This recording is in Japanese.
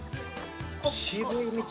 「渋い道」